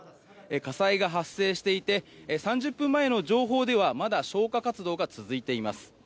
火災が発生していて３０分前の情報ではまだ消火活動が続いています。